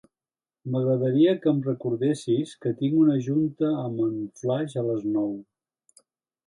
M'agradaria que em recordessis que tinc una junta amb en Flaix a les nou.